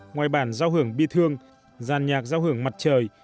ngoài bản giao hưởng bi thương dàn nhạc giao hưởng mặt trời